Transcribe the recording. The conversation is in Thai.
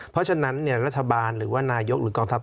เพราะฉะนั้นรัฐบาลหรือว่านายกหรือกองทัพ